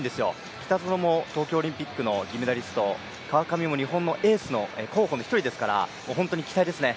北園も東京オリンピックの銀メダリスト、川上も日本のエ−スの候補の１人ですから本当に期待ですね。